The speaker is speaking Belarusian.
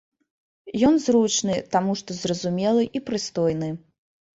Ён зручны, таму што зразумелы і прыстойны.